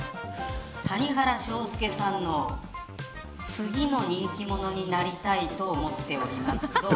谷原章介さんの次の人気者になりたいと思っております。